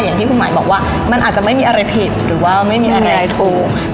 อย่างที่คุณหมายบอกว่ามันอาจจะไม่มีอะไรผิดหรือว่าไม่มีอะไรถูก